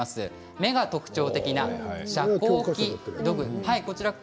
目が特徴な遮光器土偶。